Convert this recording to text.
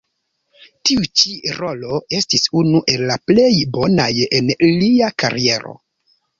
Tiu ĉi rolo estis unu el la plej bonaj en lia kariero.